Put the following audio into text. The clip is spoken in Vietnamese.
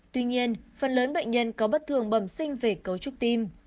tuy nhiên phần lớn bệnh nhân có bất thường bẩm sinh về cấu trúc tim